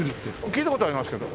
聞いた事はありますけど。